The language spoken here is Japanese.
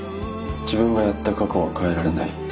自分がやった過去は変えられない。